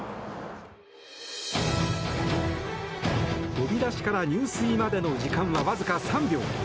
飛び出しから入水までの時間はわずか３秒。